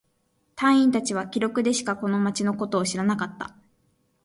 隊員達は記録でしかこの町のことを知らなかった。